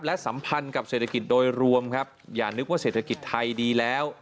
และสัมพันธ์กับเศรษฐกิจโดยรวมครับอย่านึกว่าเศรษฐกิจไทยดีแล้ว